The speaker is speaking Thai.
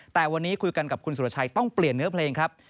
แต่วันนี้คุยกันกับคุณสุรชัยต้องเปลี่ยนเนื้อเพลงครับ